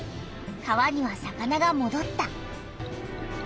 川には魚がもどった。